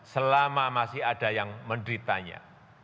selama masih ada yang menderitanya